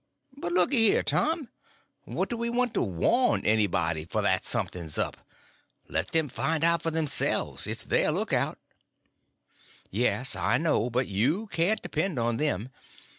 "But looky here, Tom, what do we want to warn anybody for that something's up? Let them find it out for themselves—it's their lookout." "Yes, I know; but you can't depend on them.